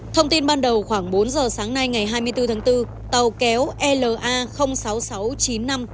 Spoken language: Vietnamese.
thông tin ban đầu khoảng bốn giờ sáng nay ngày hai mươi bốn tháng bốn tàu kéo la sáu nghìn sáu trăm chín mươi năm